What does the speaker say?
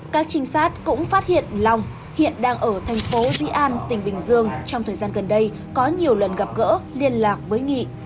các trinh sát cũng phát hiện long hiện đang ở thành phố dĩ an tỉnh bình dương trong thời gian gần đây có nhiều lần gặp gỡ liên lạc với nghị